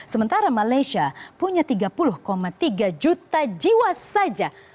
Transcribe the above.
sementara malaysia punya tiga puluh tiga juta jiwa saja